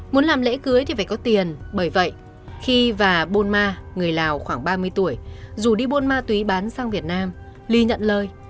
muốn làm lễ cưới thì phải có tiền bởi vậy khi và bôn ma người lào khoảng ba mươi tuổi dù đi buôn ma túy bán sang việt nam ly nhận lời